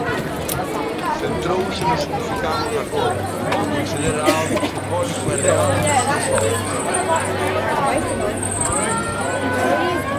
Centrouse no significado da cor, que considera algo simbólico e real, nas súas obras.